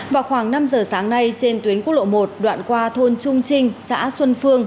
vào khoảng năm giờ sáng nay trên tuyến quốc lộ một đoạn qua thôn trung trinh xã xuân phương